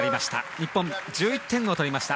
日本、１１点目取りました。